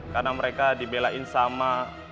karena mereka dibelain sama